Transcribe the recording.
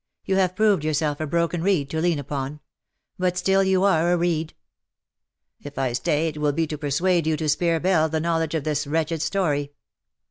You have proved yourself a broken reed to lean upon; but still you are a reed.'' ^^If I stay it will be to persuade you to spare Belle the knowledge of this wretched story."